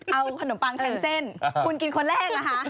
เอาขนมปังแทนเส้นคุณกินคนแรกนะคะ